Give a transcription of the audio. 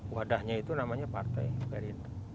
wadahnya itu namanya partai